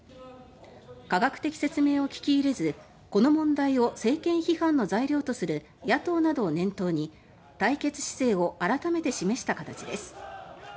科学的説明を聞き入れずこの問題を政権批判の材料とする野党などを念頭に対決姿勢を改めて示した形です。